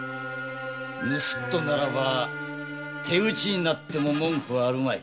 盗っ人なら手討ちになっても文句あるまい。